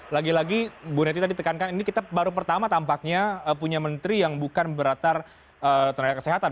lagi lagi bu neti tadi tekankan ini kita baru pertama tampaknya punya menteri yang bukan beratar tenaga kesehatan